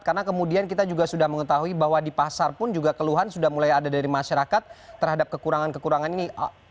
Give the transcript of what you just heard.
karena kemudian kita juga sudah mengetahui bahwa di pasar pun juga keluhan sudah mulai ada dari masyarakat terhadap kekurangan kekurangan ini